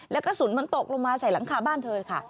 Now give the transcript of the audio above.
แล้วกระสุนมันตกลงมาใส่หลังคาบ้านเธอค่ะ